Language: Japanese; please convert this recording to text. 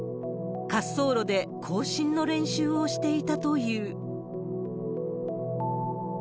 滑走路で行進の練習をしていたという。